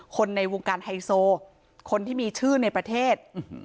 ในวงการไฮโซคนที่มีชื่อในประเทศ